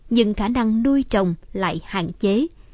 nhưng khả năng nuôi trồng lại hạn chế